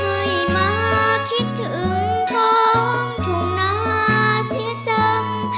ให้มาคิดถึงท้องทุ่งนาเสียจัง